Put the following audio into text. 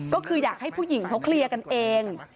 ก็คืออยากให้ผู้หญิงเขาเคลียร์กันเอง